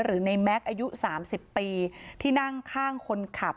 หรือในแม็กซ์อายุ๓๐ปีที่นั่งข้างคนขับ